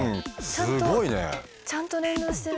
ちゃんとちゃんと連動してる。